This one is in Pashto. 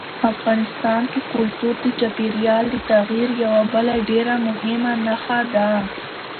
افغانستان کې کلتور د چاپېریال د تغیر یوه بله ډېره مهمه نښه ده.